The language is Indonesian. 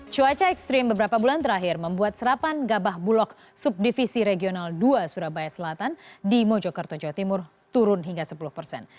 cuaca ekstrim beberapa bulan terakhir membuat serapan gabah bulog subdivisi regional dua surabaya selatan di mojokerto jawa timur turun hingga sepuluh persen